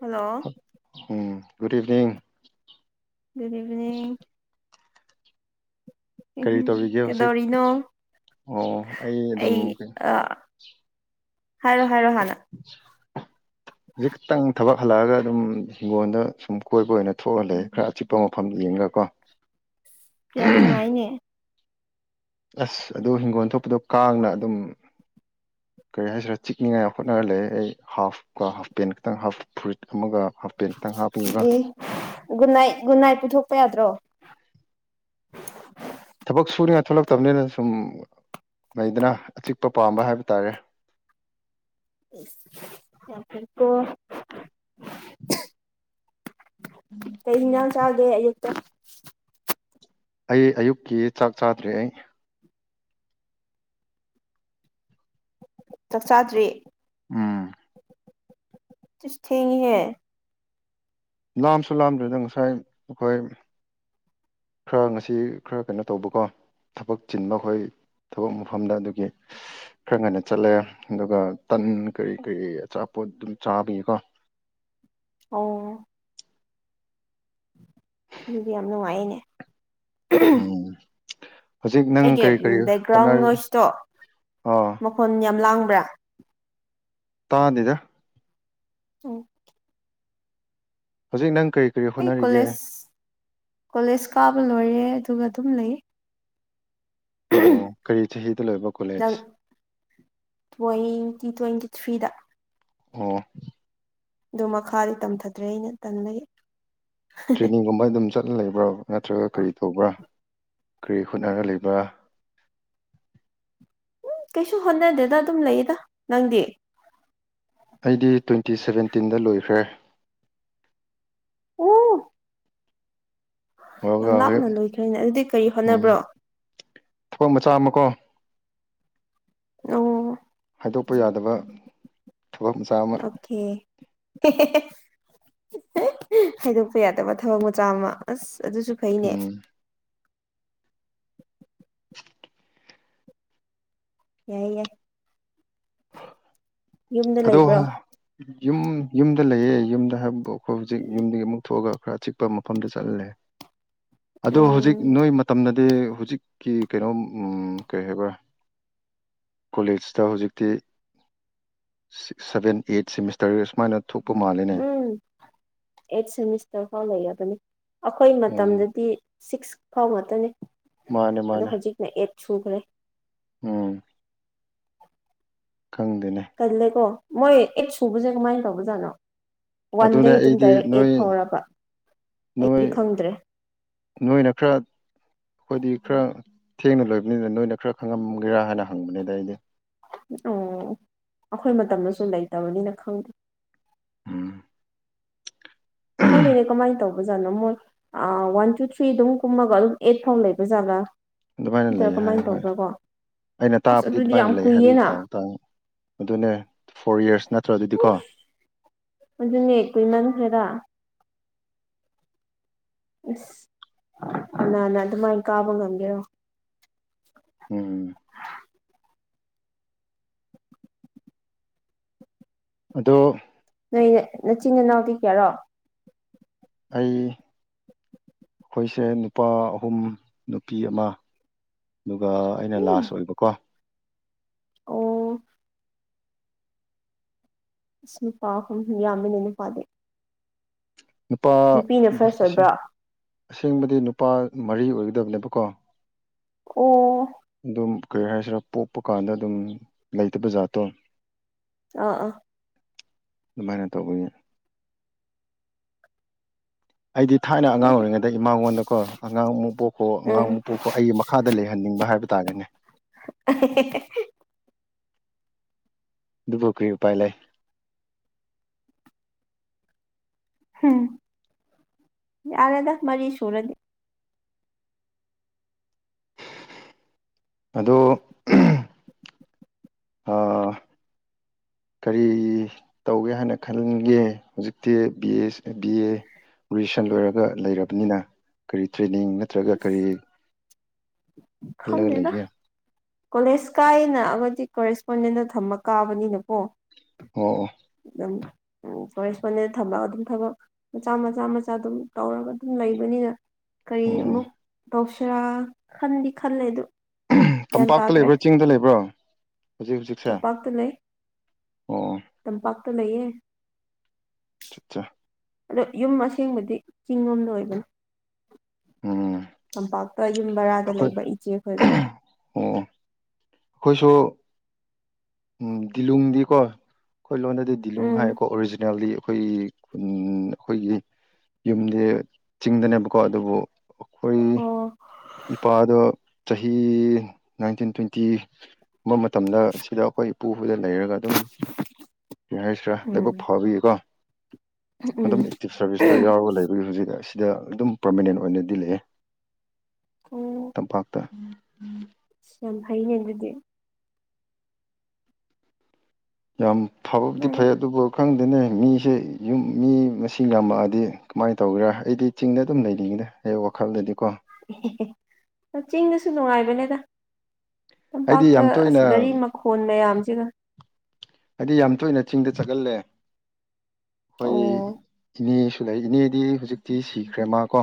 hello ꯎꯝ good evening good evening ꯀꯔꯤ ꯇꯧꯔꯤꯒꯦ ꯍꯧꯖꯤꯛ ꯀꯩꯗꯧꯔꯤꯅꯣ ꯑꯣ ꯑꯩ ꯑꯗꯨꯝ ꯍꯥꯏꯔꯣ ꯍꯥꯏꯔꯣ ꯍꯂ ꯍꯧꯖꯤꯈꯤꯛꯇꯪ ꯊꯕꯛ ꯍꯜꯂꯛꯑꯒ ꯑꯗꯨꯝ ꯍꯤꯡꯒꯣꯜꯗ ꯁꯨꯝ ꯀꯣꯏꯕ ꯑꯣꯏꯅ ꯊꯣꯛꯍꯜꯂꯦ ꯈꯔ ꯑꯆꯤꯛꯄ ꯃꯐꯝ ꯌꯦꯡꯉꯒꯀꯣ ꯀ ꯅꯨꯡꯉꯥꯏꯅꯦ ꯑꯁ ꯑꯗꯨ ꯍꯤꯡꯒꯣꯜ ꯊꯣꯛꯄꯗꯣ ꯀꯥꯡꯅ ꯑꯗꯨꯝ ꯀꯔꯤ ꯍꯥꯏꯁꯤꯔꯥ ꯆꯤꯛꯅꯤꯉꯥꯏ ꯍꯣꯠꯅꯔ ꯂꯩ ꯑꯩ ꯍꯥꯐꯀ ꯍꯥꯞ ꯄꯦꯟ ꯈꯛꯇꯪ ꯍꯥꯐ ꯐꯨꯔꯤꯠ ꯑꯃꯒ ꯍꯥꯐ ꯄꯦꯟ ꯈꯤꯇꯪ ꯍꯥꯞꯄꯤꯒ ꯑꯦ ꯒꯨꯠ ꯅꯥꯏꯠ ꯒꯨꯠ ꯅꯥꯏꯠ ꯄꯨꯊꯣꯛꯄ ꯌꯥꯗ꯭ꯔꯣ ꯊꯕꯛ ꯁꯨꯔꯤꯉꯥꯏ ꯊꯣꯛꯂꯛꯇꯕꯅꯤꯅ ꯁꯨꯝ ꯂꯩꯗꯅ ꯑꯆꯤꯛꯄ ꯄꯥꯝꯕ ꯍꯥꯏꯕ ꯇꯥꯔꯦ ꯌꯥꯄ ꯀꯩꯅꯎ ꯆꯥꯒꯦ ꯑꯌꯨꯛꯇ ꯑꯩ ꯑꯌꯨꯛꯀꯤ ꯆꯥꯛ ꯆꯥꯗ꯭ꯔꯦ ꯑꯩ ꯆꯥꯛꯆꯥꯥꯗ꯭ꯔꯤꯦ ꯎꯝ ꯊꯦꯡ ꯍ ꯂꯥꯝꯁꯨ ꯂꯥꯝꯗꯗ ꯉꯁꯥꯏ ꯑꯩꯈꯣꯏ ꯈꯔ ꯉꯁꯤ ꯈꯔ ꯀꯩꯅꯣ ꯇꯧꯕꯀꯣ ꯊꯕꯛ ꯆꯤꯟꯕ ꯑꯩꯈꯣꯏ ꯊꯕꯛ ꯃꯐꯝꯗ ꯑꯗꯨꯒꯤ ꯈꯔ ꯉꯟꯅ ꯆꯠꯂꯦ ꯑꯗꯨꯒ ꯇꯟ ꯀꯔꯤ ꯀꯔꯤ ꯑꯆꯥꯄꯣꯠ ꯑꯗꯨꯝ ꯆꯥꯕꯤꯌꯦꯀꯣ ꯑꯣ ꯑꯗꯨꯗꯤ ꯌꯥꯝ ꯅꯨꯡꯉꯥꯏꯅꯦ ꯎꯝ ꯍꯧꯖꯤꯛ ꯅꯪ ꯑꯩꯒꯤ ꯀꯔꯤ ꯀꯔꯤ ꯕꯦꯛꯒ꯭ꯔꯥꯎꯟ ꯍꯣꯠꯅꯔꯤ ꯅꯣꯏꯁꯇꯣ ꯑꯥ ꯃꯈꯣꯟ ꯌꯥꯝ ꯂꯥꯡꯕ ꯇꯔ ꯇꯥꯅꯤꯡꯗ ꯎꯝ ꯍꯧꯖꯤꯛ ꯅꯪ ꯀꯔꯤ ꯀꯔꯤ ꯑꯩ ꯍꯣꯠꯅꯔꯤꯒꯦ ꯀꯣꯂꯦꯖ ꯀꯣꯂꯦꯖ ꯀꯥꯕ ꯂꯣꯏꯔꯦ ꯑꯗꯨꯒ ꯑꯗꯨꯝ ꯂꯩ ꯑꯣ ꯀꯔꯤ ꯆꯍꯤꯗ ꯂꯣꯏꯕ ꯅꯪ ꯀꯣꯂꯦꯖ ꯇ꯭ꯋꯦꯟꯇꯤ ꯇ꯭ꯋꯦꯟꯇꯤ ꯊ꯭ꯔꯤꯗ ꯑꯣ ꯑꯣ ꯃꯈꯥꯗꯤ ꯇꯝꯊꯗ꯭ꯔꯦ ꯑꯩꯅ ꯇꯜꯂꯒ ꯇ꯭ꯔꯦꯅꯤꯡꯒꯨꯝꯕ ꯑꯗꯨꯝ ꯆꯠꯂ ꯂꯩꯕ꯭ꯔꯥ ꯅꯠꯇ꯭ꯔꯒ ꯀꯔꯤ ꯇꯧꯕ꯭ꯔꯥ ꯀꯔꯤ ꯍꯨꯠꯅꯅ ꯂꯩꯕ꯭ꯔꯥ ꯎꯝ ꯀꯩꯁꯨ ꯍꯣꯠꯅꯗꯦꯗ ꯑꯗꯨꯝ ꯂꯩꯌꯦꯗ ꯅꯪꯗꯤ ꯑꯩꯗꯤ ꯇ꯭ꯋꯦꯟꯇꯤ ꯁꯕꯦꯟꯇꯤꯟꯗ ꯂꯣꯏꯈ꯭ꯔꯦ ꯑꯣ ꯌꯥꯝ ꯑꯗꯨꯒ ꯍꯧꯖꯤꯛ ꯂꯥꯞꯅ ꯂꯣꯏꯈ꯭ꯔꯦꯅꯦ ꯑꯗꯨꯗꯤ ꯀꯔꯤ ꯎꯝ ꯍꯣꯠꯅꯕ꯭ꯔꯣ ꯊꯕꯛ ꯃꯆꯥ ꯑꯃꯀꯣ ꯑꯣ ꯍꯥꯏꯗꯣꯛꯄ ꯌꯥꯗꯕ ꯊꯕꯛ ꯃꯆꯥ ꯑꯃ ꯑꯣꯀꯦ ꯍꯥꯏꯗꯣꯛꯄ ꯌꯥꯗꯕ ꯊꯕꯛ ꯃꯆꯥ ꯑꯃ ꯑꯁ ꯑꯗꯨꯁꯨ ꯐꯩꯅꯦ ꯎꯝ ꯌꯥꯏꯌꯦ ꯑꯗꯣ ꯌ ꯌ ꯑꯗ ꯂꯩꯌꯦ ꯌꯨꯝꯗ ꯍꯥꯏꯕꯕꯨ ꯑꯩꯈꯣꯏ ꯍꯧꯖꯤꯛ ꯌꯨꯝꯗꯒꯤ ꯑꯃꯨꯛ ꯊꯣꯛꯑꯒ ꯈꯔ ꯑ ꯆꯤꯛꯄ ꯃꯐꯝꯗ ꯆꯠꯍꯜꯂꯦ ꯑꯣ ꯍꯧꯖꯤꯛ ꯎꯝ ꯅꯣꯏ ꯃꯇꯝꯗꯗꯤ ꯍꯧꯖꯤꯛꯀꯤ ꯀꯩꯅꯣ ꯀꯩ ꯍꯥꯏꯕ ꯀꯣꯂꯦꯖꯇ ꯍꯧꯖꯤꯛꯇꯤ ꯁꯚꯦꯟ ꯑꯩꯠ ꯁꯤꯦꯃꯤꯁꯇꯔ ꯁꯨꯃꯥꯏꯅ ꯎꯝ ꯑꯩꯠ ꯁꯦꯃꯤꯁꯇꯔ ꯐꯥꯎ ꯂꯩꯕꯅꯤ ꯑꯩꯈꯣꯏ ꯎꯝ ꯃꯇꯝꯗꯗꯤ ꯁꯤꯛꯁ ꯐꯥꯎ ꯉꯥꯛꯇꯅꯦ ꯃꯥꯅꯦ ꯑꯗꯣ ꯃꯥꯅꯦ ꯍꯧꯖꯤꯛꯅ ꯑꯩꯠ ꯁꯨꯈ꯭ꯔꯦ ꯎꯝ ꯈꯪꯗꯦꯅꯦ ꯀꯜꯂꯦꯀꯣ ꯃꯣꯏ ꯑꯦ ꯁꯨꯕꯁꯦ ꯀꯃꯥꯏꯅ ꯇꯧꯕꯖꯥꯠꯅꯣ ꯋꯥꯟ ꯑꯗꯨꯅꯦ ꯑꯗꯨꯝ ꯑꯩꯗꯤ ꯗꯥꯏꯔꯦꯛ ꯑꯦꯠ ꯅꯣꯏ ꯐꯥꯎꯔꯕ ꯅꯣꯏ ꯑꯩꯗꯤ ꯈꯪꯗ꯭ꯔꯦ ꯅꯣꯏꯅ ꯈꯔ ꯑꯩꯈꯣꯏꯗꯤ ꯈꯔ ꯊꯦꯡꯅ ꯂꯣꯏꯕꯅꯤꯅ ꯅꯣꯏꯅ ꯈꯔ ꯈꯪꯉꯝꯒꯦꯔꯥ ꯍꯥꯏꯅ ꯍꯪꯕꯅꯤꯗ ꯑꯩꯗꯤ ꯑꯣ ꯑꯩꯈꯣꯏ ꯃꯇꯝꯗꯁꯨ ꯂꯩꯇꯕꯅꯤꯅ ꯈꯪꯗꯦ ꯎꯝ ꯈꯪꯗꯦꯅꯦ ꯀꯃꯥꯏꯅ ꯇꯧꯧꯕ ꯖꯥꯠꯅꯣ ꯃꯣꯏ ꯋꯥꯟ ꯇꯨ ꯊ꯭ꯔꯤ ꯑꯗꯨꯝ ꯀꯨꯝꯃꯒ ꯑꯗꯨꯝ ꯑꯩꯠ ꯐꯥꯎ ꯂꯩꯕꯖꯥꯠꯂ꯭ꯔꯥ ꯑꯗꯨꯃꯥꯏꯅ ꯂꯩ ꯍꯥꯏ ꯍꯣꯏ ꯑꯩꯅ ꯑꯁ ꯇꯥꯕꯗꯤ ꯑꯗꯨꯗꯤ ꯌꯥꯝ ꯑꯗꯨꯃꯥꯏꯅ ꯂꯩ ꯍꯥꯏꯕꯒꯤ ꯀꯨꯏꯌꯦꯅ ꯄꯥꯎꯇꯥꯡ ꯑꯗꯨꯅꯦ ꯐꯣꯔ ꯌꯔꯁ ꯅꯠꯇ꯭ꯔ ꯑꯗꯨꯗꯤꯀꯣ ꯑꯗꯨꯅꯦ ꯀꯨꯏꯃꯟꯈ꯭ꯔꯦꯔ ꯑꯁ ꯅ ꯅ ꯑꯗꯨꯃꯥꯏꯅ ꯀꯥꯕ ꯉꯝꯒꯦꯔꯣ ꯎꯝ ꯑꯗꯣ ꯑ ꯅꯆꯤꯟ ꯅꯅꯥꯎ ꯄꯤ ꯀꯦꯔꯣ ꯑꯩ ꯑꯩꯈꯣꯏꯁꯦ ꯅꯨꯄꯥ ꯑꯍꯨꯝ ꯅꯨꯄꯤ ꯑꯃ ꯑꯗꯨꯒ ꯑꯩꯅ ꯎꯝ ꯂꯥꯁ ꯑꯣꯏꯕꯀꯣ ꯑꯣ ꯁꯄꯥꯍꯨꯝ ꯌꯥꯝꯃꯤꯅꯅ ꯄꯥꯗꯦ ꯅꯨꯄꯥ ꯐꯥꯔꯁ ꯑꯁꯤ ꯑꯣꯏꯕ꯭ꯔꯣ ꯑꯁꯦꯡꯕꯗꯤ ꯅꯨꯄꯥ ꯃꯔꯤ ꯑꯣꯏꯒꯗꯕꯅꯦꯕꯀꯣ ꯑꯣ ꯀꯨꯀꯔ ꯍꯥꯏꯁꯤꯔ ꯄꯣꯛꯄ ꯀꯥꯟꯗ ꯑꯗꯨꯝ ꯂꯩꯇꯕ ꯖꯥꯔꯠꯇꯣ ꯑꯥ ꯑꯥ ꯃꯥꯏꯅꯠꯇꯧꯒꯦ ꯑꯩꯗꯤ ꯊꯥꯏꯅ ꯑꯉꯥꯡ ꯑꯣꯏꯔꯤꯉꯩꯗ ꯏꯃꯥꯉꯣꯟꯗꯀꯣ ꯑꯉꯥꯡ ꯑꯃꯨꯛ ꯄꯣꯛꯈꯣ ꯎꯝ ꯑꯉꯥꯡꯃꯨꯛ ꯄꯣꯛꯈꯣ ꯑꯩꯒꯤ ꯃꯈꯥꯗ ꯂꯩꯍꯟꯅꯤꯡꯕ ꯍꯥꯏ ꯕ ꯇꯥꯖꯅꯦ [inaudible] ꯗꯨꯕ ꯀꯄꯥꯏ ꯂꯩ ꯎꯝ ꯑꯔꯗꯁ ꯃꯥꯔꯤ ꯁꯨꯔꯗꯤ ꯑꯗꯨꯣ ꯑ [inaudible] ꯀꯔꯤ ꯇꯧꯒꯦ ꯍꯥꯏꯅ ꯈꯟꯒꯦ ꯍꯧꯖꯤꯛꯇꯤ B A B A graduation ꯂꯣꯏꯔꯒ ꯂꯩꯔꯕꯅꯤꯅ ꯀꯔꯤ ꯇ꯭ꯔꯦꯅꯤꯡ ꯅꯠꯇ꯭ꯔꯒ ꯀꯔꯤ ꯀꯜꯂꯒꯂꯤ ꯈꯪꯗꯦꯗ ꯀ ꯀꯣꯂꯦꯖ ꯀꯥꯏꯌꯦꯅ ꯑꯩꯈꯗꯤ ꯀꯣꯔꯦꯁꯄꯣꯟꯗꯦꯟꯗ ꯊꯝꯃ ꯀꯥꯕꯅꯤꯅꯀꯣ ꯑꯣ ꯎ ꯐꯣꯔꯦꯟꯁꯄꯣꯟꯗꯦꯟꯗ ꯊꯝꯂꯒ ꯑꯗꯨꯝ ꯊꯕꯛ ꯃꯆꯥ ꯃꯆꯥ ꯃꯆꯥ ꯑꯗꯨꯝ ꯇꯧꯔꯒ ꯑꯗꯨꯝ ꯂꯩꯕꯅꯤꯅ ꯀꯔꯤ ꯑꯣ ꯑꯃꯨꯛ ꯇꯧꯁꯔꯥ ꯈꯟꯗꯤ ꯈꯜꯂꯦꯗ ꯒ꯭ꯌꯥꯟ ꯇꯝꯄꯥꯛꯇ ꯇꯥꯗ꯭ꯔꯦ ꯂꯩꯕ꯭ꯔꯥ ꯆꯤꯡꯗ ꯂꯩꯕ꯭ꯔꯣ ꯍꯧꯖꯤꯛ ꯍꯧꯖꯤꯛꯁꯦ ꯇꯝꯄꯥꯛꯇ ꯂꯩ ꯑꯣ ꯇꯝꯄꯛꯇ ꯂꯩꯌꯦ ꯑꯠꯆꯥ ꯑꯗꯣ ꯌꯨꯝ ꯑꯁꯦꯡꯕꯗꯤ ꯆꯤꯡ ꯂꯣꯝꯗ ꯑꯣꯏꯕꯅꯤ ꯎꯝ ꯇꯝꯄꯥꯛ ꯌꯨꯝ ꯕꯔꯥꯗ ꯑꯩꯈꯣꯏ ꯂꯩꯕ ꯏꯆꯦꯈꯣꯏꯗ ꯑꯣ ꯑꯩꯈꯣꯏꯁꯨ ꯎꯝ ꯇꯂꯣꯡꯗꯤꯀꯣ ꯑꯩꯈꯣꯏ ꯂꯣꯟꯗꯗꯤ ꯗꯤꯂꯨꯡ ꯎꯝ ꯍꯥꯏꯀꯣ ꯑꯣꯔꯤꯖꯤꯅꯦꯜꯗꯤ ꯑꯩꯈꯣꯏꯒꯤ ꯈꯨꯟ ꯑꯩꯈꯣꯏꯒꯤ ꯌꯨꯝꯗꯤ ꯆꯤꯡꯗꯅꯦꯕꯀꯣ ꯑꯗꯨꯕꯨ ꯑꯩꯈꯣꯏ ꯑꯣ ꯏꯄꯥꯗꯣ ꯆꯍꯤ ꯅꯥꯏꯟꯇꯤꯟ ꯇ꯭ꯋꯦꯟꯇꯤ ꯕ ꯃꯇꯝꯗ ꯁꯤꯗ ꯑꯩꯈꯣꯏ ꯏꯄꯨꯕꯗ ꯂꯩꯔꯒ ꯑꯗꯨꯝ ꯌꯥ ꯍꯥꯏꯁꯤꯔꯥ ꯎꯝ ꯂꯥꯏꯕꯛ ꯐꯕꯤꯌꯦꯀꯣ ꯎꯝ ꯑꯗꯨꯝ ꯑꯦꯛꯇꯤꯞ ꯁꯥꯔꯚꯤꯁꯇ ꯌꯥꯎꯔꯒ ꯂꯩ ꯍꯧꯛ ꯍꯧꯖꯤꯛ ꯑꯁꯤꯗ ꯑꯗꯨꯝ ꯄꯔꯃꯅꯦꯟ ꯑꯣꯏꯅꯗꯤ ꯂꯩꯌꯦ ꯑꯣ ꯇꯝꯄꯥꯛꯇ ꯌꯥꯝ ꯍꯩꯅꯦ ꯑꯗꯨꯗꯤ ꯌꯥꯝ ꯐꯕꯕꯨꯗꯤ ꯁꯨꯃꯥꯏꯅ ꯐꯩ ꯑꯗꯨꯕꯨ ꯈꯪꯗꯅꯦ ꯃꯤꯁꯦ ꯌꯨꯝ ꯃꯤ ꯃꯁꯤꯡ ꯌꯥꯝꯃꯛꯑꯗꯤ ꯀꯃꯥꯏꯅ ꯇꯧꯒꯦꯔꯥ ꯑꯩꯗꯤ ꯆꯤꯡꯗ ꯑꯗꯨꯝ ꯂꯩꯅꯤꯡꯉꯦ ꯍꯦꯛ ꯋꯥꯈꯜꯗꯗꯤ ꯀꯣ ꯆꯤꯡꯗꯁꯨ ꯅꯨꯡꯉꯥꯏꯕꯅꯦꯗ ꯑꯩꯗꯤ ꯇꯝꯄꯥꯛꯇ ꯌꯥꯝ ꯑꯁ ꯇꯣꯏꯅ ꯒꯥꯔꯤ ꯃꯈꯣꯟꯜ ꯃꯌꯥꯝꯁꯤꯒ ꯍꯥꯏꯗꯤ ꯌꯥꯝ ꯇꯣꯏꯅ ꯆꯤꯡꯗ ꯆꯒꯜꯂꯦ ꯑꯩꯈꯣꯏ ꯑꯣ ꯏꯅꯦ ꯑꯗꯨꯗ ꯏꯅꯦꯗꯤ ꯍꯧꯖꯤꯛꯇꯤ ꯁꯤꯈ꯭ꯔꯦ ꯃꯥ ꯀꯣ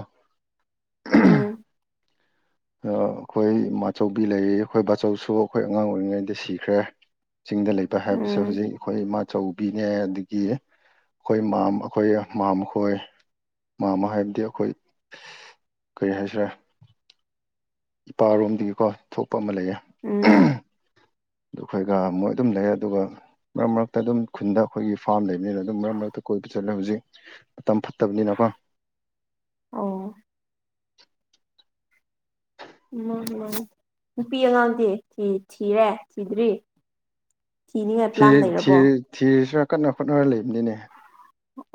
ꯎꯝ ꯑꯩꯈꯣꯏ ꯃꯥꯆꯧꯕꯤ ꯂꯩꯔꯤ ꯑꯩꯈꯣꯏ ꯕꯥꯆꯧꯁꯨ ꯑꯩꯈꯣꯏ ꯑꯉꯥꯡ ꯑꯣꯏꯔꯤꯉꯩꯗ ꯁꯤꯈ꯭ꯔꯦ ꯆꯤꯡꯗ ꯂꯩꯕ ꯍꯥꯏꯕꯁꯦ ꯎꯝ ꯍꯧꯖꯤꯛ ꯑꯩꯈꯣꯏ ꯃꯥꯆꯧꯕꯤ ꯑꯗꯒꯤ ꯑꯩꯈꯣꯏ ꯃꯥꯝ ꯑꯩꯈꯣꯏ ꯃꯥꯝꯣꯏ ꯃꯥ ꯑꯃ ꯍꯥꯏꯕꯗꯤ ꯑꯩꯈꯣꯏ ꯀꯔꯤ ꯍꯥꯏꯁꯤꯔꯦ ꯏꯄꯥꯔꯣꯝꯗꯒꯤꯀꯣ ꯊꯣꯛꯄ ꯑꯃ ꯂꯩꯌꯦ ꯎꯝ ꯑꯗꯨ ꯑꯩꯈꯣꯏꯒ ꯃꯣꯏ ꯑꯗꯨꯝ ꯂꯩ ꯑꯗꯨꯒ ꯃꯔꯛ ꯃꯔꯛꯇ ꯑꯗꯨꯝ ꯈꯨꯟꯗ ꯑꯩꯈꯣꯏꯒꯤ ꯐꯥꯝ ꯂꯩꯕꯅꯤꯅ ꯑꯗꯨꯝ ꯃꯔꯛ ꯃꯔꯛꯇ ꯀꯣꯏꯕ ꯆꯠꯂꯦ ꯍꯧꯖꯤꯛ ꯃꯇꯝ ꯐꯠꯇꯕꯅꯤꯅꯀꯣ ꯑꯣ ꯎꯝ ꯎꯝ ꯅꯨꯄꯤ ꯑꯉꯥꯡꯗꯤ ꯊꯤꯔꯦ ꯊꯤꯗ꯭ꯔꯤ ꯊꯤꯅꯤꯡꯉꯥꯏ ꯊ ꯄ꯭ꯂꯥꯟ ꯊ ꯂꯩꯔꯕꯣ ꯊꯤꯔꯁꯨ ꯀꯟꯅ ꯈꯣꯠꯅꯔ ꯂꯩꯕꯅꯤꯅꯦ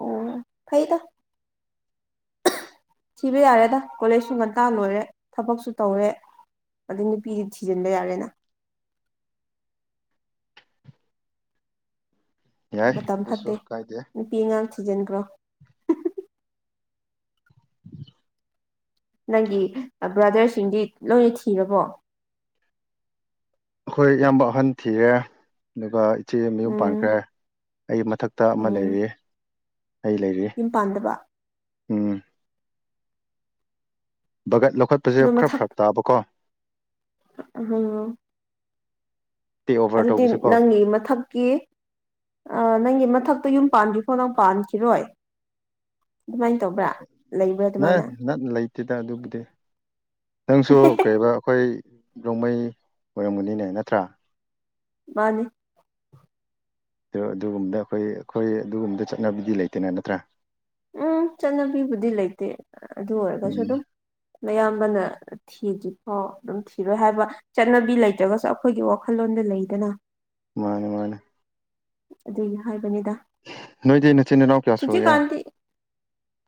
ꯑꯣ ꯐꯩꯗ ꯊꯤꯕ ꯌꯥꯔꯦꯗ ꯀꯣꯂꯦꯖꯁꯨ ꯉꯟꯇꯥꯅ ꯂꯣꯏꯔꯦ ꯊꯕꯛꯁꯨ ꯇꯧꯔꯦ ꯑꯗꯨꯩ ꯅꯨꯄꯤꯗꯤ ꯊꯤꯖꯤꯟꯕ ꯌꯥꯔꯦꯅ ꯌꯥꯏ ꯃꯇꯝ ꯑꯗꯨꯁꯨ ꯐꯠꯇꯦ ꯀꯥꯏꯗꯦ ꯅꯨꯄꯤ ꯑꯉꯥꯡ ꯊꯤꯖꯤꯟꯈ꯭ꯔꯣ [unintelligible] ꯅꯪꯒꯤ ꯕ꯭ꯔꯥꯗꯔꯁꯤꯡꯗꯤ ꯂꯣꯏꯅ ꯊꯤꯔꯕꯣ ꯑꯩꯈꯣꯏ ꯏꯌꯥꯝꯕ ꯑꯍꯟ ꯊꯤꯔꯦ ꯑꯗꯨꯒ ꯏꯆꯦ ꯃꯌꯨꯝ ꯎꯝ ꯄꯥꯟꯈ꯭ꯔꯦ ꯑꯩ ꯃꯊꯛꯇ ꯑꯃ ꯎꯝ ꯂꯩꯔꯤꯌꯦ ꯌꯨꯝ ꯄꯥꯟꯗꯕ ꯎꯝ ꯕꯒꯠ ꯂꯧꯈꯠꯄꯁꯦ ꯈꯔ ꯐꯔꯞ ꯇꯥꯕꯀꯣ ꯑ ꯇꯦꯛ ꯑꯣꯚꯔ ꯑꯗꯨꯗꯤ ꯇꯧꯕꯁꯦꯀꯣ ꯅꯪꯒꯤ ꯃꯊꯛꯀꯤ ꯅꯪꯒꯤ ꯃꯊꯛ ꯃꯊꯛꯇ ꯌꯨꯝ ꯄꯥꯟꯐꯣ ꯅꯪ ꯄꯥꯟꯈꯤꯔꯣꯏ ꯑꯗꯨꯃꯥꯏꯅ ꯇꯧꯕ꯭ꯔꯥ ꯂꯩꯕ꯭ꯔꯥ ꯅ ꯑꯗꯨꯃꯥꯏꯅ ꯅ ꯂꯩꯇꯦꯗ ꯑꯗꯨꯕꯨꯗꯤ ꯅꯪꯁꯨ ꯀꯩꯔꯤꯕ ꯑꯩꯈꯣꯏ ꯅꯣꯡꯃꯩ ꯑꯣꯏꯔꯝꯒꯅꯤꯅꯦ ꯅꯠꯇ꯭ꯔꯥ ꯃꯥꯅꯤ ꯑ ꯑꯗꯨꯒꯨꯝꯕꯗ ꯑꯩꯈꯣꯏ ꯑꯩꯈꯣꯏ ꯑꯗꯨꯒꯨꯝꯕꯗ ꯆꯠꯅꯕꯤꯗꯤ ꯂꯩꯇꯅ ꯅꯠꯇ꯭ꯔꯥ ꯎꯝ ꯆꯠꯅꯕꯤꯕꯨꯗꯤ ꯂꯩꯇꯦ ꯑꯗꯨ ꯑꯣꯏꯔꯒꯁꯨ ꯎꯝ ꯑꯗꯨꯝ ꯑꯌꯥꯝꯕꯅ ꯊꯤꯗ꯭ꯔꯤꯀꯣ ꯑꯗꯨꯝ ꯊꯤꯔꯣꯏ ꯍꯥꯏꯕ ꯆꯠꯅꯕꯤ ꯂꯩꯇ꯭ꯔꯒꯁꯨ ꯑꯩꯈꯣꯏꯒꯤ ꯋꯥꯈꯜꯂꯣꯟꯗ ꯂꯩꯗꯅ ꯃꯥꯅꯦ ꯃꯥꯅꯦ ꯑꯗꯨꯅ ꯍꯥꯏꯕꯅꯤꯗ ꯅꯣꯏꯗꯤ ꯅꯆꯤꯟ ꯅꯅꯥꯎ ꯀꯌꯥ ꯁꯨꯒꯦ ꯍꯧꯨꯖꯤꯀꯥꯟꯗꯤ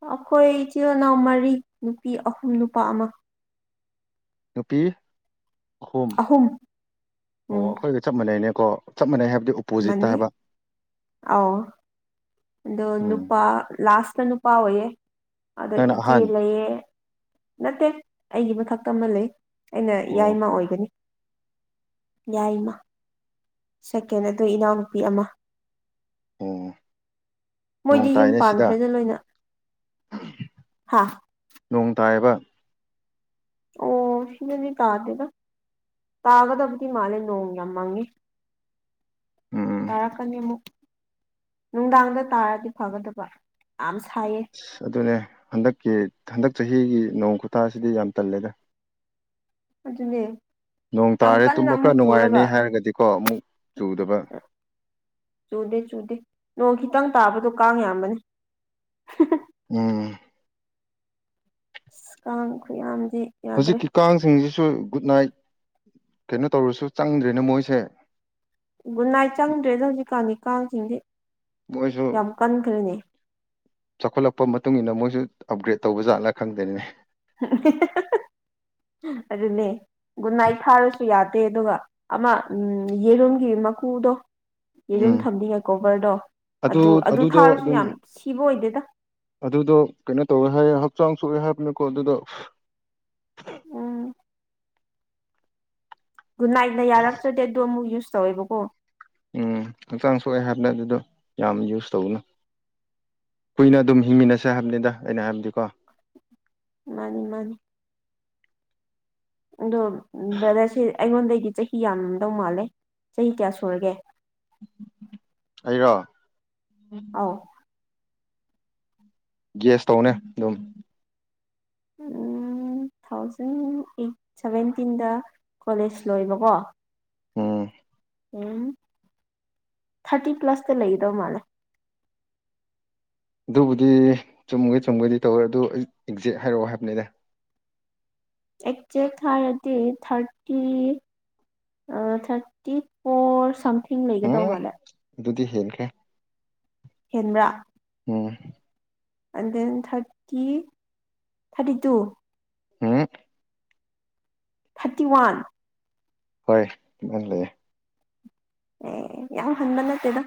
ꯑꯩꯈꯣꯏ ꯏꯆꯤꯜ ꯏꯅꯥꯎ ꯃꯔꯤ ꯅꯨꯄꯤ ꯑꯍꯨꯝ ꯅꯨꯄꯥ ꯑꯃ ꯅꯨꯄꯤ ꯑꯍꯨꯝ ꯑꯣ ꯑꯩꯈꯣꯏꯒ ꯆꯞ ꯃꯥꯟꯅꯩꯅꯦꯕ ꯆꯞ ꯃꯅꯩ ꯍꯥꯏ ꯃꯅꯦ ꯑ ꯑꯗꯣ ꯅꯨ ꯎꯝ ꯅꯨꯄꯥ ꯂꯥꯁ ꯏꯇ ꯅꯨꯄꯥ ꯑꯣꯏꯌꯦ ꯑꯗ ꯅꯪꯅ ꯏꯆꯦ ꯑꯍꯥꯟ ꯂꯩꯌꯦ ꯅꯠꯇꯦ ꯑꯩꯒꯤ ꯃꯊꯛꯇ ꯑꯃ ꯂꯩ ꯑꯩꯅ ꯑꯣ ꯏꯌꯥꯏꯃ ꯑꯣꯏꯒꯅꯤ ꯌꯥꯏꯃ ꯁꯦꯀꯦꯟ ꯑꯗꯨ ꯏꯅꯥꯎꯅꯨꯄꯤ ꯑꯃ ꯑꯣ ꯅꯣꯡ ꯃꯣꯏꯗꯤ ꯌꯨꯝ ꯇꯥꯏꯅꯦ ꯁꯤꯗ ꯄꯥꯟꯈ꯭ꯔꯦꯗ ꯂꯣꯏꯅ ꯍꯥ ꯅꯣꯡ ꯇꯥꯏꯕ ꯑꯣ ꯁꯤꯃꯅꯤ ꯇꯥꯗꯗ ꯇꯥꯒꯗꯕꯗꯤ ꯃꯥꯂꯦ ꯅꯣꯡ ꯌꯥꯝ ꯃꯪꯉꯤ ꯎꯝ ꯇꯥꯔꯛꯀꯅꯤ ꯑꯃꯨꯛ ꯅꯨꯡꯗꯥꯡꯗ ꯇꯥꯔꯗꯤ ꯐꯒꯗꯕ ꯌꯥꯝ ꯁꯥꯏꯌꯦ ꯑꯁ ꯑꯗꯨꯅꯦ ꯍꯟꯗꯛꯀꯤ ꯍꯟꯗꯛ ꯆꯍꯤꯒꯤ ꯅꯣꯡ ꯈꯨꯊꯥꯁꯤꯗꯤ ꯌꯥꯝ ꯇꯜꯂꯦꯗ ꯑꯗꯨ ꯑꯗꯨꯅꯦ ꯅꯣꯡ ꯌꯥꯝ ꯇꯥꯔꯦ ꯀꯟꯅ ꯇꯨꯝꯕ ꯈꯔ ꯑꯃꯨꯛ ꯅꯨꯡꯉꯥꯏꯔꯅꯤ ꯆꯨꯔꯒ ꯍꯥꯏꯔꯒꯗꯤꯀꯣ ꯑꯃꯨꯛ ꯆꯨꯗꯕ ꯆꯨꯗꯦ ꯆꯨꯗꯦ ꯅꯣꯡ ꯈꯤꯇꯪ ꯇꯥꯕꯗꯣ ꯀꯥꯡ ꯌꯥꯝꯕꯅꯤ ꯎꯝ ꯀꯥꯡꯥꯡꯈ ꯌꯥꯝ ꯍꯧꯖꯤꯛꯀꯤ ꯀꯥꯡꯁꯤꯡꯁꯤ ꯁꯨ ꯒꯨꯗ ꯅꯥꯏꯠ ꯀꯩꯅꯣ ꯇꯧꯔꯁꯨ ꯆꯪꯗ꯭ꯔꯦꯅ ꯃꯣꯏꯁꯦ ꯒꯟꯅꯥꯏ ꯆꯪꯗ꯭ꯔꯦꯗ ꯍꯧꯖꯤꯛꯀꯥꯟꯗꯤ ꯀꯥꯡꯁꯤꯡꯁꯦ ꯃꯣꯏꯁꯨ ꯌꯥꯝ ꯀꯟꯈ꯭ꯔꯦꯅꯦ ꯆꯥꯎꯈꯠꯂꯛꯄ ꯃꯇꯨꯡ ꯏꯟꯅ ꯃꯣꯏꯁꯨ ꯑꯞꯒ꯭ꯔꯦꯗ ꯇꯧꯕ ꯖꯥꯠꯅ ꯈꯪꯗꯅꯤꯅꯦ [unintelligible] ꯑꯗꯨꯅꯦ ꯒꯨꯟꯅꯥꯥꯏ ꯊꯥꯔꯁꯨ ꯌꯥꯗꯦ ꯑꯗꯨꯒ ꯑꯃ ꯎ ꯌꯦꯔꯨꯝꯒꯤ ꯀꯨꯗꯣ ꯌꯦꯔꯨꯝ ꯎꯝ ꯊꯝꯕꯤꯉꯦ ꯀꯣꯕꯔꯗꯣ ꯑꯗꯨ ꯑꯗꯨ ꯑꯗꯨꯗꯣ ꯊꯥꯔꯁꯨ ꯑꯗꯨꯝ ꯌꯥꯝ ꯁꯤꯕ ꯑꯣꯏꯗꯦꯗ ꯑꯗꯨꯗꯣ ꯀꯩꯅꯣ ꯇꯧꯋꯦ ꯍꯥꯏ ꯛꯆꯥꯡ ꯁꯣꯛꯑꯦ ꯍꯥꯏꯕꯅꯦꯀꯣ ꯑꯗꯨꯗ ꯎꯝ ꯨ ꯅꯥꯏꯅ ꯌꯥꯔꯛꯇ꯭ꯔꯗꯤ ꯑꯗꯨꯗꯣ ꯑꯃꯨꯛ ꯌꯨꯁ ꯇꯧꯋꯦꯕꯀꯣ ꯎꯝ ꯍꯛꯆꯥꯡ ꯁꯣꯛꯑꯦ ꯍꯥꯏꯕꯗ ꯑꯗꯨꯗꯣ ꯌꯥꯝ ꯌꯨꯁ ꯇꯧꯅꯨ ꯀꯨꯏꯅ ꯑꯗꯨꯝ ꯍꯤꯡꯃꯤꯟꯅꯁꯦ ꯍꯥꯏꯕꯅꯤꯗ ꯑꯩꯅ ꯍꯥꯏꯕꯗꯤꯀꯣ ꯃꯥꯅꯤ ꯃꯥꯅꯤ ꯑꯗꯨ ꯃꯕꯗꯁꯤ ꯑꯩꯉꯣꯟꯗꯩꯗꯤ ꯆꯍꯤ ꯌꯥꯝꯝꯗꯧ ꯃꯥꯜꯂꯦ ꯆꯍꯤ ꯀꯌꯥ ꯁꯨꯔꯒꯦ ꯑꯩꯔꯣ ꯑꯥꯎ ꯒꯦꯁꯇꯧꯅꯦ ꯑꯗꯨꯝ ꯎꯝ ꯇꯨ ꯊꯥꯎꯖꯟ ꯑꯩꯠ ꯁꯚꯦꯟꯇꯤꯟꯗ ꯀꯣꯂꯦꯖ ꯂꯣꯏꯕꯀꯣ ꯎꯝ ꯎꯝ ꯊꯥꯔꯇꯤ ꯄ꯭ꯂꯁꯇ ꯂꯩꯒꯗꯧ ꯃꯥꯜꯂꯦ ꯑꯗꯨꯕꯨꯗꯤ ꯆꯨꯝꯒꯦ ꯆꯨꯝꯒꯦꯗꯤ ꯇꯧꯔꯦ ꯑꯗꯨ ꯑꯩ ꯑꯦꯛꯖꯦꯛ ꯍꯥꯏꯔꯛꯑꯣ ꯍꯥꯏꯕꯅꯤꯅꯦ ꯑꯦꯛꯖꯦꯛ ꯍꯥꯏꯔꯗꯤ ꯊꯥꯔꯇꯤ ꯊꯥꯔꯇꯤ ꯐꯣꯔ ꯁꯝꯊꯤꯡ ꯂꯩꯒꯗꯧ ꯎꯝ ꯃꯥꯜꯂꯦ ꯑꯗꯨꯗꯤ ꯍꯦꯟꯈ꯭ꯔꯦ ꯍꯦꯟꯕ꯭ꯔꯥ ꯑꯣ ꯑꯟ ꯗꯦꯟ ꯊꯥꯔꯇꯤ ꯊꯥꯔꯇꯤ ꯇꯨ ꯎꯝ ꯊꯥꯔꯇꯤ ꯋꯥꯟ ꯍꯣꯏ ꯃ ꯂꯩꯦ ꯑꯦ ꯌꯥꯝ ꯍꯟꯕ ꯅꯠꯇꯦꯗ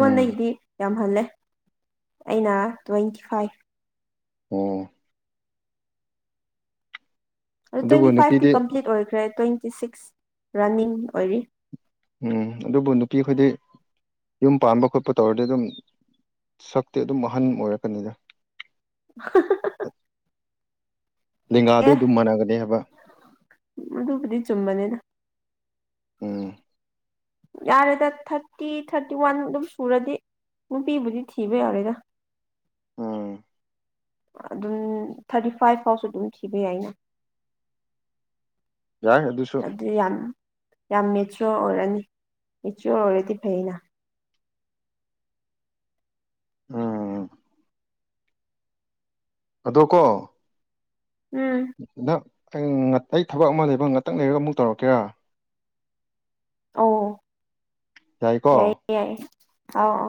ꯎꯝ ꯌꯥꯝꯍꯜꯂꯦ ꯑꯩꯅ ꯇ꯭ꯋꯦꯟꯇꯤ ꯐꯥꯏꯚ ꯑꯣ ꯑꯗꯨ ꯑꯗꯨꯕꯨ ꯇ꯭ꯋꯦꯟꯇꯤ ꯐꯥꯏꯚꯀꯤ ꯅꯨꯄꯤꯗꯤ ꯀꯝꯄ꯭ꯂꯤꯠ ꯑꯣꯏꯈ꯭ꯔꯦ ꯇ꯭ꯋꯦꯟꯇꯤ ꯁꯤꯛꯁ ꯔꯥꯟꯅꯤꯡ ꯑꯣꯏꯔꯤ ꯎꯝ ꯑꯗꯨꯕꯨ ꯅꯨꯄꯤ ꯑꯩꯈꯣꯏꯗꯤ ꯌꯨꯝ ꯄꯥꯟꯕ ꯈꯣꯠꯄ ꯇꯧꯔꯗꯤ ꯑꯗꯨꯝ ꯁꯛꯇꯤ ꯑꯗꯨꯝ ꯑꯍꯟ ꯑꯣꯏꯔꯛꯀꯅꯤꯗ [unintelligible] ꯂꯤꯡꯒꯥꯗꯨ ꯑꯦ ꯑꯗꯨꯝ ꯃꯥꯟꯅꯒꯅꯦ ꯍꯥꯏꯕ ꯑꯗꯨꯕꯨꯗꯤ ꯆꯨꯝꯕꯅꯤꯅ ꯎꯝ ꯌꯥꯔꯦꯗ ꯊꯥꯔꯇꯤ ꯊꯥꯔꯇꯤ ꯋꯥꯟ ꯑꯗꯨꯝ ꯁꯨꯔꯗꯤ ꯐꯕꯨꯗꯤ ꯊꯕꯩ ꯌꯥꯔꯦꯗ ꯑꯥ ꯑꯗꯨꯝ ꯊꯥꯔꯇꯤ ꯐꯥꯏꯚ ꯐꯥꯎꯁꯨ ꯑꯗꯨꯝ ꯊꯤꯕ ꯌꯥꯏ ꯑꯩꯅ ꯌꯥꯏ ꯑꯗꯨꯁꯨ ꯌꯥꯝ ꯃꯦꯆꯌꯣꯔ ꯑꯣꯏꯔꯅꯤ ꯃꯦꯆꯌꯣꯔ ꯑꯣꯏꯔꯗꯤ ꯐꯩꯅ ꯎꯝ ꯑꯗꯣ ꯀꯣ ꯎꯝ ꯗ ꯑꯩ ꯑꯩ ꯊꯕꯛ ꯑꯃ ꯂꯩꯕ ꯉꯥꯛꯇꯪ ꯂꯩꯔꯒ ꯑꯃꯨꯛ ꯇꯧꯔꯛꯀꯦꯔꯥ ꯑꯣ ꯌꯥꯏꯀꯣ ꯌꯥꯏ ꯌꯥꯏ ꯑꯥꯎ